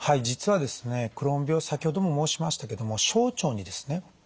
実はですねクローン病先ほども申しましたけども小腸にですね